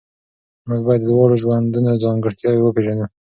موږ باید د دواړو ژوندونو ځانګړتیاوې وپېژنو.